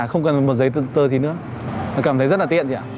không cần một giấy tơ gì nữa cảm thấy rất là tiện